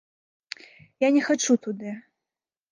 Я не хачу туды.